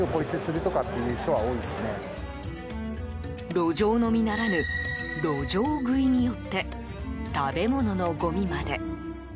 路上飲みならぬ路上食いによって食べ物のごみまで。